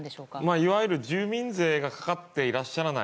いわゆる住民税がかかっていらっしゃらない